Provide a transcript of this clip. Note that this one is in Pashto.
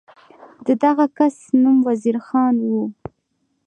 د دغه کس نوم وزیر خان و.